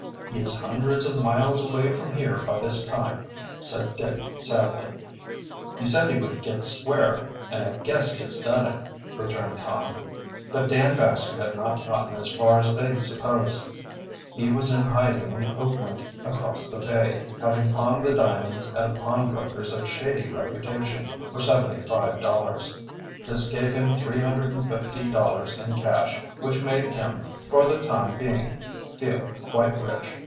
"He is hundreds of miles away from here by this time," said Dick sadly. "He said he would get square, and I guess he has done it," returned Tom. But Dan Baxter had not gotten as far as they supposed. He was in hiding in Oakland, across the bay, having pawned the diamonds at a pawn broker's of shady reputation for seventy five dollars. This gave him three hundred and fifty dollars in cash, which made him, for the time being, feel quite rich.